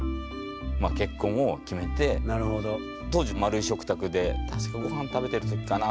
当時円い食卓で確かご飯食べてる時かな